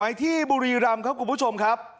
หมายถึงบุรีรำครับคุณผู้ชมครับ